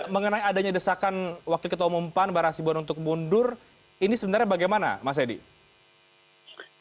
mengenai adanya desakan wakil ketua umum pan barah asibuan untuk mundur ini sebenarnya bagaimana mas edi